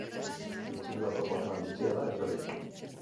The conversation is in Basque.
Bi txirula proposamen bitxia da, ezberdina.